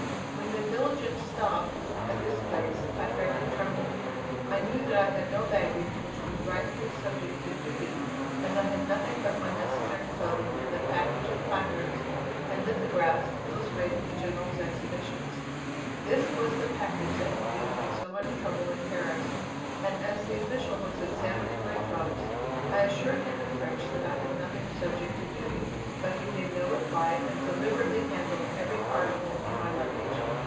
When the diligence stopped at this place I fairly trembled. I knew that I had no baggage which was rightfully subject to duty, as I had nothing but my necessary clothing and the package of placards and lithographs illustrating the General's exhibitions. This was the package which had given me so much trouble in Paris, and as the official was examining my trunks, I assured him in French that I had nothing subject to duty; but he made no reply and deliberately handled every article in my luggage.